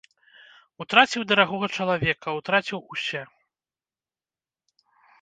Утраціў дарагога чалавека, утраціў усе.